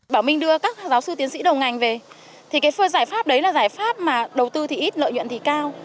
bà minh đưa các giáo sư tiến sĩ đầu ngành về thì cái phương giải pháp đấy là giải pháp mà đầu tư thì ít lợi nhuận thì cao